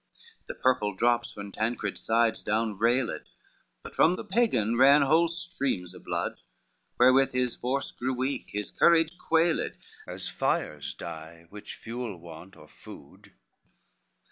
XX The purple drops from Tancred's sides down railed, But from the Pagan ran whole streams of blood, Wherewith his force grew weak, his courage quailed As fires die which fuel want or food.